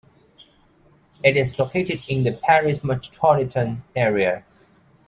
It is located in the Paris metropolitan area.